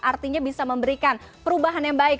artinya bisa memberikan perubahan yang baik